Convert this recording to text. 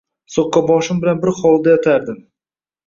So‘qqaboshim bilan bir hovlida yotardim!